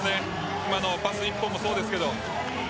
今のパス１本もそうですけど。